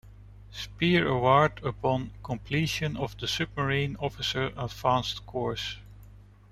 Spear Award upon completion of the Submarine Officer Advanced Course.